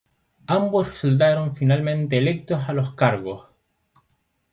Ambos resultaron finalmente electos a los cargos.